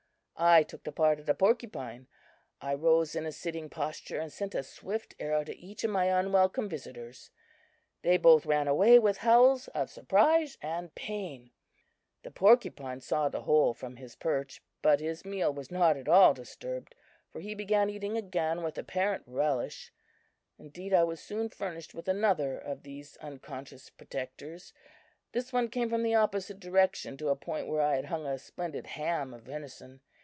"I took the part of the porcupine! I rose in a sitting posture, and sent a swift arrow to each of my unwelcome visitors. They both ran away with howls of surprise and pain. "The porcupine saw the whole from his perch, but his meal was not at all disturbed, for he began eating again with apparent relish. Indeed, I was soon furnished with another of these unconscious protectors. This one came from the opposite direction to a point where I had hung a splendid ham of venison.